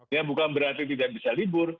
ya bukan berarti tidak bisa libur